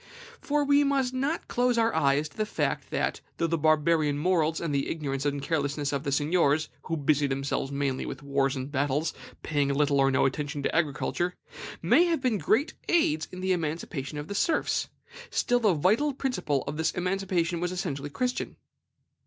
For we must not close our eyes to the fact that, though the Barbarian morals and the ignorance and carelessness of the seigniors, who busied themselves mainly with wars and battles, paying little or no attention to agriculture, may have been great aids in the emancipation of the serfs, still the vital principle of this emancipation was essentially Christian.